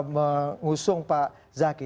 mengusung pak zaki